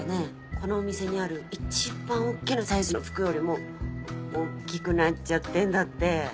このお店にある一番大きなサイズの服よりも大っきくなっちゃってんだって。